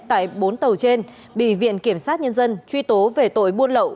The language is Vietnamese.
tại bốn tàu trên bị viện kiểm sát nhân dân truy tố về tội buôn lậu